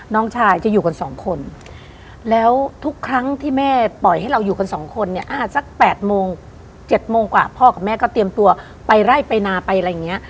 น้องชายจะอยู่กันสองคนแล้วทุกครั้งที่แม่ปล่อยให้เราอยู่กันสองคนเนี่ยสัก๘โมง๗โมงกว่าพ่อกับแม่ก็เตรียมตัวไปไล่ไปนาไปอะไรอย่างเงี้ย